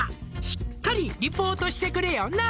「しっかりリポートしてくれよな」